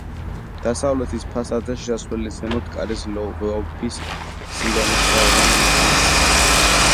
დასავლეთის ფასადზე, შესასვლელის ზემოთ კარის ღიობის სიგანის თაღოვანი ნიშია.